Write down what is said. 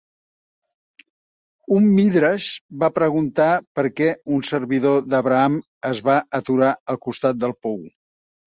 Un Midrash va preguntar per què, un servidor d'Abraham es va aturar al costat del pou.